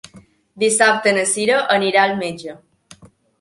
Dissabte na Cira anirà al metge.